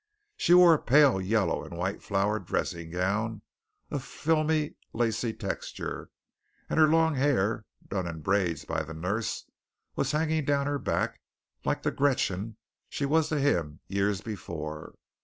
She wore a pale yellow and white flowered dressing gown of filmy, lacy texture, and her long hair, done in braids by the nurse, was hanging down her back like the Gretchen she was to him years before.